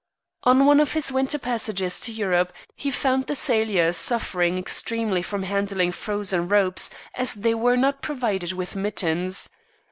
On one of his winter passages to Europe he found the sailors suffering extremely from handling frozen ropes, as they were not provided with mittens.